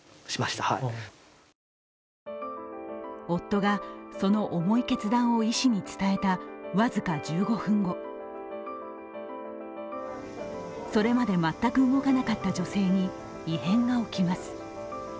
夫がその重い決断を医師に伝えた僅か１５分後、それまで全く動かなかった女性に異変が起きます。